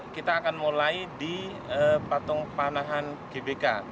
kita akan mulai di patung panahan gbk